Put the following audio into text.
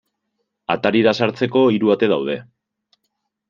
Atarira sartzeko hiru ate daude.